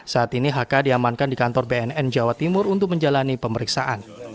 saat ini hk diamankan di kantor bnn jawa timur untuk menjalani pemeriksaan